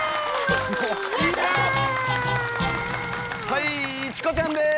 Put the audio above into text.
はいチコちゃんです！